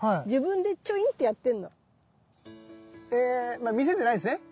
まあ見せてないんですね。